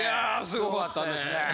すごかったですね。